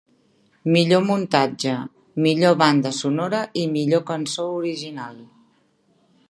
Millor muntatge, Millor banda sonora i Millor cançó original.